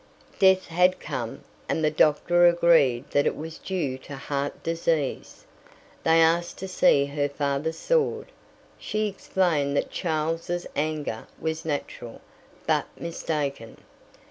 Death had come, and the doctor agreed that it was due to heart disease. They asked to see her father's sword. She explained that Charles's anger was natural, but mistaken.